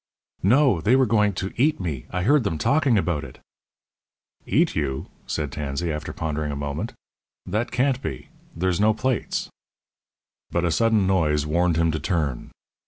"No, they were going to eat me. I heard them talking about it." "Eat you!" said Tansey, after pondering a moment. "That can't be; there's no plates." But a sudden noise warned him to turn.